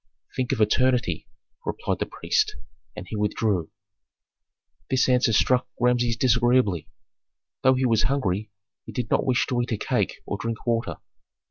"Think of eternity," replied the priest; and he withdrew. This answer struck Rameses disagreeably. Though he was hungry, he did not wish to eat a cake or drink water.